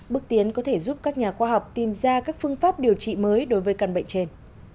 bước tiến có thể giúp các nhà khoa học tìm ra các phương pháp điều trị mới đối với căn bệnh trên